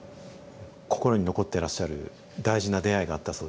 心に残ってらっしゃる大事な出会いがあったそうですね。